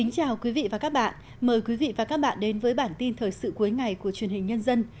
chào mừng quý vị đến với bản tin thời sự cuối ngày của truyền hình nhân dân